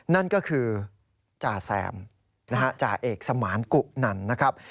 นั่นก็คือจ่าแซมนะฮะจ่าเอกสมานกุนันนะครับ